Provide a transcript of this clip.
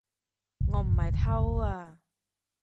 我唔係偷啊